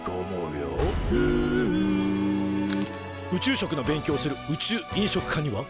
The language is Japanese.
「ルウ」宇宙食の勉強をする宇宙飲食科には。